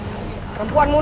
sekarang saya bersyukur